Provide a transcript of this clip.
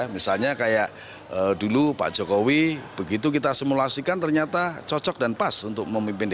misalnya kayak dulu pak jokowi begitu kita simulasikan ternyata cocok dan pas untuk memimpin dki